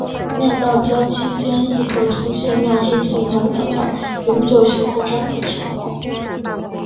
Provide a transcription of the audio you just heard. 尿道交期间亦可能出现尿失禁和尿道永久性扩张的情况。